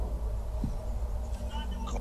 پښې او غاړي په تارونو کي تړلي ..